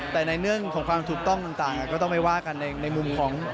แต่ในเรื่องของความถูกต้องต่างก็ต้องไปว่ากันในมุมของ